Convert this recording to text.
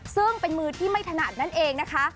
ซึ่งเป็นมือที่ไม่ถนัดนั่นเองนะคะ